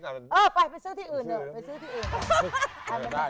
ไปซื้อที่อื่น